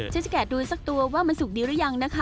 จะแกะดูสักตัวว่ามันสุกดีหรือยังนะคะ